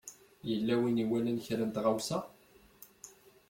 Yella win i iwalan kra n tɣawsa?